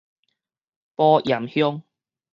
埔鹽鄉